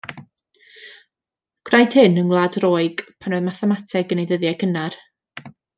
Gwnaed hyn yng Ngwlad Roeg, pan oedd mathemateg yn ei ddyddiau cynnar.